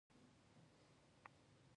زړه خوږه او خوشبوونکې وږمه ترې را والوته.